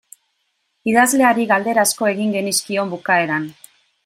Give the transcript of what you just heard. Idazleari galdera asko egin genizkion bukaeran.